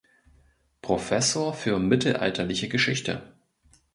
Professor für Mittelalterliche Geschichte.